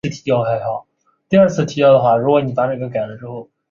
法国陆上交通事故调查局总部位于巴黎拉德芳斯区。